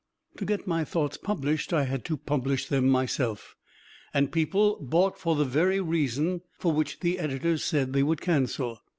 To get my thoughts published I had to publish them myself; and people bought for the very reason for which the editors said they would cancel.